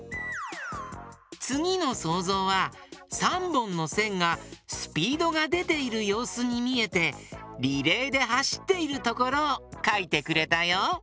つぎのそうぞうは３ぼんのせんがスピードがでているようすにみえてリレーではしっているところをかいてくれたよ。